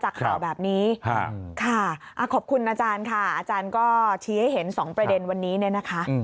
จากข่าวแบบนี้ขอบคุณอาจารย์ค่ะอาจารย์ก็ชี้ให้เห็นสองประเด็นวันนี้นะคะ